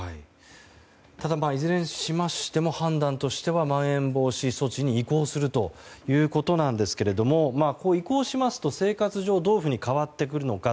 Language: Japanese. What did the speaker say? ただ、いずれにしても判断としてはまん延防止措置に移行するということなんですけども移行しますと、生活上どういうふうに変わってくるのか。